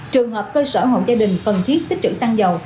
trường hợp cơ sở hộ gia đình cần thiết tích trữ xăng dầu